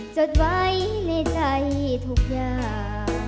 จดไว้ในใจทุกอย่าง